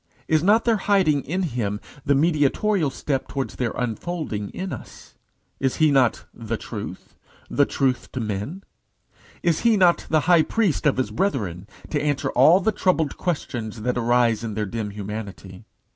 Is not their hiding in him the mediatorial step towards their unfolding in us? Is he not the Truth? the Truth to men? Is he not the High Priest of his brethren, to answer all the troubled questionings that arise in their dim humanity?